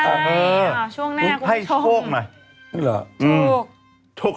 ใช่ช่วงหน้ากูจะโชค